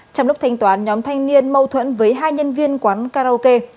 trong lúc thanh toán nhóm thanh niên mâu thuẫn với hai nhân viên quán karaoke